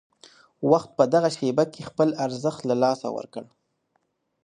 وخت په دغه شېبه کې خپل ارزښت له لاسه ورکړ.